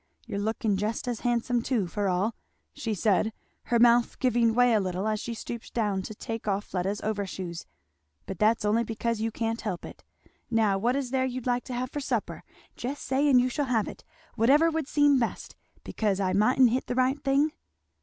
You're looking just as handsome, too, for all," she said, her mouth giving way a little, as she stooped down to take off Fleda's overshoes, "but that's only because you can't help it. Now what is there you'd like to have for supper! just say and you shall have it whatever would seem best because I mightn't hit the right thing?"